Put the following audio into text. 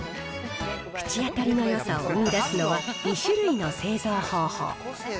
口当たりのよさを生み出すのは２種類の製造方法。